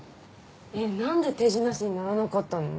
えっ何で手品師にならなかったの？